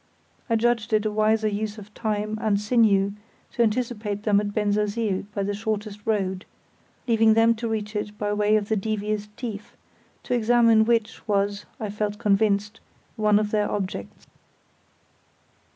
I judged it a wiser use of time and sinew to anticipate them at Bensersiel by the shortest road, leaving them to reach it by way of the devious Tief, to examine which was, I felt convinced, one of their objects.